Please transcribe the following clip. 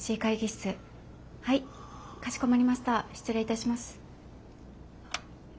失礼いたします。